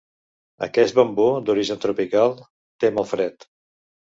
Aquest bambú d'origen tropical tem el fred.